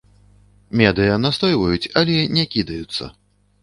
Медыя настойваюць, але не кідаюцца.